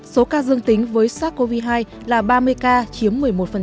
số ca dương tính với sars cov hai là ba mươi ca chiếm một mươi một